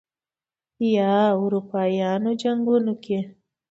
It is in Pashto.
یا اروپايانو جنګونو کې